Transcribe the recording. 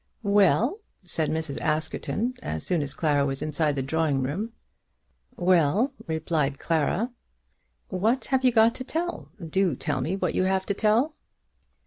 "Well?" said Mrs. Askerton as soon as Clara was inside the drawing room. "Well," replied Clara. "What have you got to tell? Do tell me what you have to tell."